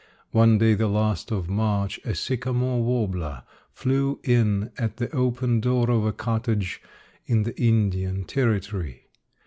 One day the last of March a sycamore warbler flew in at the open door of a cottage in the Indian Territory.